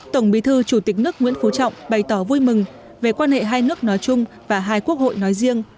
tổng bí thư chủ tịch nước nguyễn phú trọng bày tỏ vui mừng về quan hệ hai nước nói chung và hai quốc hội nói riêng